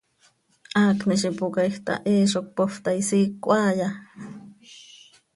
Haacni z ipocaaij ta, hee zo cöpoofp ta ¿isiicö haaya?